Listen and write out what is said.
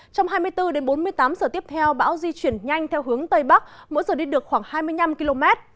trong hai mươi bốn đến bốn mươi tám giờ tiếp theo bão di chuyển nhanh theo hướng tây bắc mỗi giờ đi được khoảng hai mươi năm km